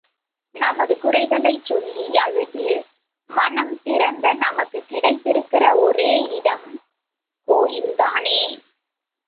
நமது குறைகளைச் சொல்லி அழுது, மனம் திருந்த நமக்குக் கிடைத்திருக்கிற ஒரே இடம் கோயில்தானே!